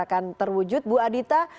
akan terwujud bu adita